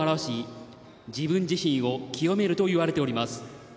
自分自身を清めるといわれております。